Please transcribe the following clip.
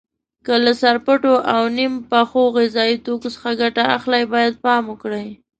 که له سرپټو او نیم پخو غذایي توکو څخه ګټه اخلئ باید پام وکړئ.